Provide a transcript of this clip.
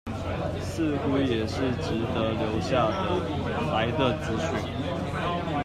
似乎也是值得留下來的資訊